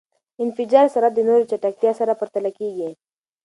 د انفجار سرعت د نور د چټکتیا سره پرتله کېږی.